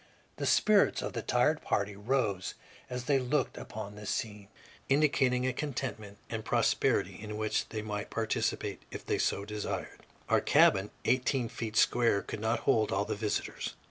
The spirits of the tired party rose as they looked upon this scene, indicating a contentment and prosperity in which they might participate if they so desired. Our cabin, eighteen feet square, could not hold all the visitors.